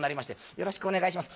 「よろしくお願いします」